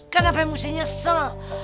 kenapa emosi nyesel